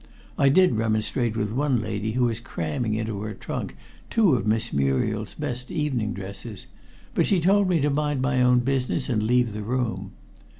I did remonstrate with one lady who was cramming into her trunk two of Miss Muriel's best evening dresses, but she told me to mind my own business and leave the room.